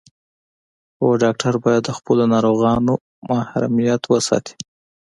هر ډاکټر باید د خپلو ناروغانو محرميت وساتي.